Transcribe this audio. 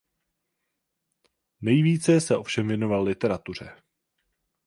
Nejvíce se ovšem věnoval literatuře.